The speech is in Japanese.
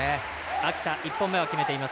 秋田、日本が決めています。